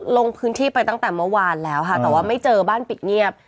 ลงพื้นที่ไปตั้งแต่เมื่อวานแล้วค่ะแต่ว่าไม่เจอบ้านปิดเงียบ